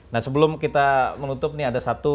nah sebelum kita menutup nih ada satu